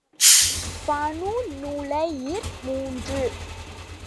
Banu நுலைர் மூன்று.